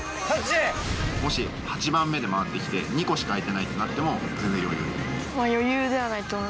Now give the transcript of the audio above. もし８番目で回ってきて２個しかあいてないってなっても全然余裕？